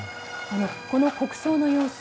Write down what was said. この国葬の様子